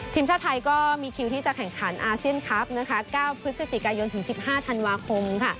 ทีมชาติไทยก็มีคิวที่จะแข่งขันอาเซียนคลับ๙พฤศจิกายนถึง๑๕ธันวาคม